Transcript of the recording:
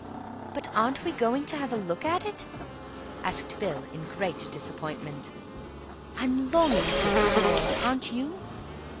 "But aren't we going to have a look at it?" asked Bill, in great disappointment. "I'm longing to explore. Aren't you?"